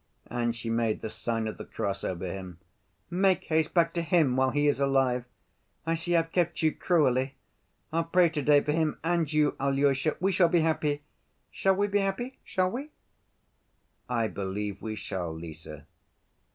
and she made the sign of the cross over him. "Make haste back to him while he is alive. I see I've kept you cruelly. I'll pray to‐day for him and you. Alyosha, we shall be happy! Shall we be happy, shall we?" "I believe we shall, Lise."